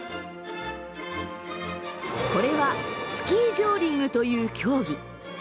これはスキージョーリングという競技。